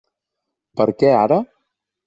Per què ara?